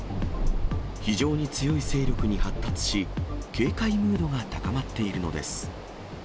非常に強い勢力に発達し、警戒ムードが高まっているのです。